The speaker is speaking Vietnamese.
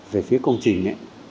về phía công trình ấy